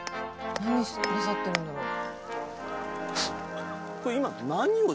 何なさってるんだろう？